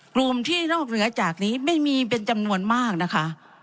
กลุ่มที่นอกเหนือจากนี้ไม่มีเป็นจำนวนมากนะคะ